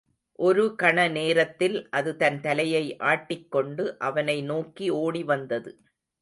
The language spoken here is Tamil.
ஒரு கண நேரத்தில் அது தன் தலையை ஆட்டிக் கொண்டு, அவனை நோக்கி ஓடி வந்தது.